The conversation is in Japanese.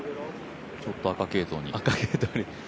ちょっと赤系統に。